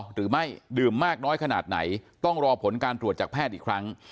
หรือไม่ดื่มมากน้อยขนาดไหนต้องรอผลการตรวจจากแพทย์อีกครั้ง